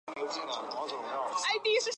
甘道夫建议接应救往瑞文戴尔。